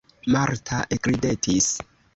Marta ekridetis.